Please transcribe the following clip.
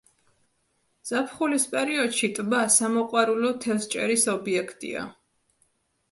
ზაფხულის პერიოდში ტბა სამოყვარულო თევზჭერის ობიექტია.